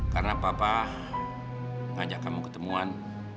karena bapak mengajak kamu ketemuan